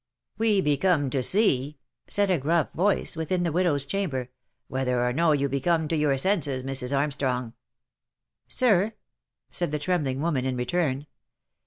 " We be commed to see," said a gruff voice within the widow's chamber, " whether or no you be commed to your senses, Mrs. Armstrong." " Sir?" said the trembling woman in return.